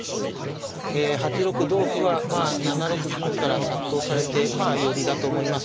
８六同歩はまあ７六銀から殺到されてまあ寄りだと思います。